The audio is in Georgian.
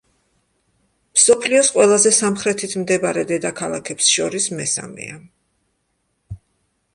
მსოფლიოს ყველაზე სამხრეთით მდებარე დედაქალაქებს შორის მესამეა.